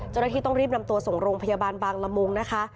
เจ้าหน้าที่ต้องรีบนำตัวส่งโรงพยาบาลบางละมุงนะคะ